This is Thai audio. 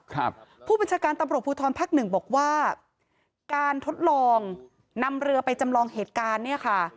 ผู้บัญชาการตำรวจภูทรภักดิ์หนึ่งบอกว่าการทดลองนำเรือไปจำลองเหตุการณ์เนี่ยค่ะ